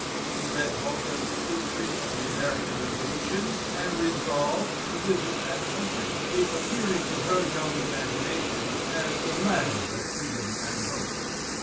She read Bocca's "History of the American Revolution," and resolved to visit that country, it appearing to her young imagination as the land of freedom and hope.